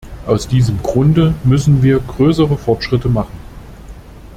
Aus diesem Grunde müssen wir größere Fortschritte machen.